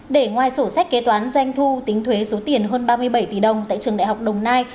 để ngoài sổ sách kế toán doanh thu tính thuế số tiền hơn ba mươi bảy tỷ đồng tại trường đại học đồng nai